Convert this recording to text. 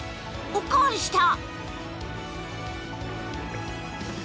お代わりした。